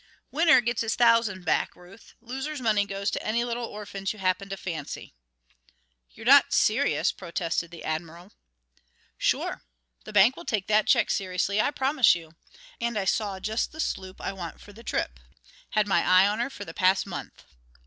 "Winner gets his thousand back, Ruth; loser's money goes to any little orphans you happen to fancy." "You're not serious," protested the Admiral. "Sure! The bank will take that check seriously, I promise you. And I saw just the sloop I want for the trip ... had my eye on her for the past month."